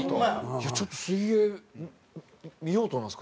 ちょっと水泳見ようと思います